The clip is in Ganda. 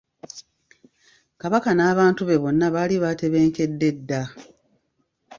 Kabaka n'abantu be bonna baali batebenkedde dda.